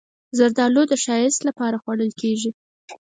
زردالو د ښایست لپاره خوړل کېږي.